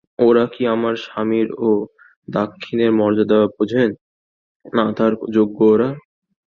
ওঁরা কি আমার স্বামীর এ দাক্ষিণ্যের মর্যাদা বোঝেন, না তার যোগ্য ওঁরা?